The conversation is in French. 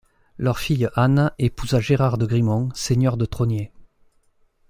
Leur fille Anne épousa Gérard de Grimont, seigneur de Trognée.